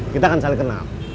kita kan saling kenal